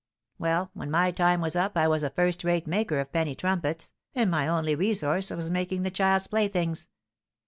Well, when my time was up I was a first rate maker of penny trumpets, and my only resource was making child's playthings.